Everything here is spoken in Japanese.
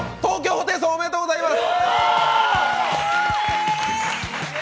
ホテイソン、おめでとうございます！